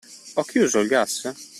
Ho chiuso il gas?